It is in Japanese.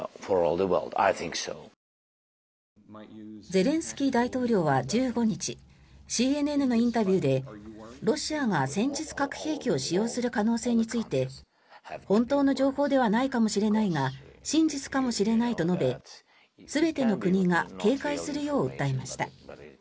ゼレンスキー大統領は１５日ＣＮＮのインタビューでロシアが戦術核兵器を使用する可能性について本当の情報ではないかもしれないが真実かもしれないと述べ全ての国が警戒するよう訴えました。